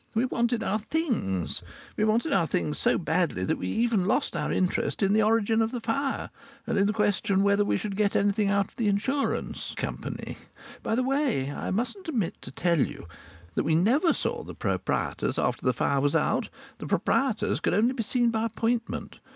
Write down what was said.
We wanted our things. We wanted our things so badly that we even lost our interest in the origin of the fire and in the question whether we should get anything out of the insurance company. By the way, I mustn't omit to tell you that we never saw the proprietors after the fire was out; the proprietors could only be seen by appointment.